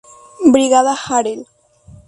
Brigada Harel